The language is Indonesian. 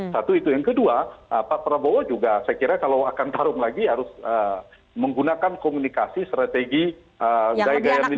satu itu yang kedua pak prabowo juga saya kira kalau akan tarung lagi harus menggunakan komunikasi strategi gaya gaya militer